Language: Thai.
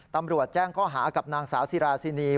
ตำรวจแจ้งข้อหากับนางสาวซีราซินี